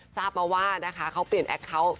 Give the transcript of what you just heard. ทราบมาว่าเค้าเปลี่ยนแอคเคานต์